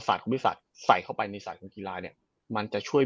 สาดของวิสัตว์ใส่เข้าไปในสาดของกีฬาเนี้ยมันจะช่วย